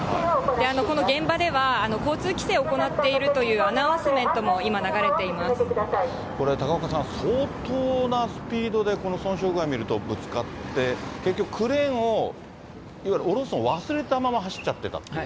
この現場では、交通規制を行っているというアナウンスメントも今、これ、高岡さん、相当なスピードで損傷具合見るとぶつかって、結局、クレーンを、いわゆる下ろすのを忘れたまま走っちゃってたっていう。